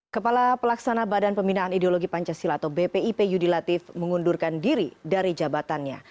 kepala pelaksana badan pembinaan ideologi pancasila atau bpip yudi latif mengundurkan diri dari jabatannya